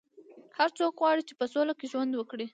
هر څوک غواړي چې په سوله کې ژوند وکړي.